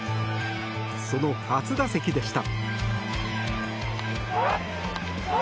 その初打席でした。